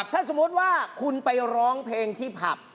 ถ้าสมมุติว่าคุณไปร้องเพลงที่ผับ